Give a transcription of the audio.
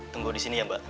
tunggu di sini ya mbak